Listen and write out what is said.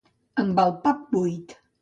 Amb el pap buit.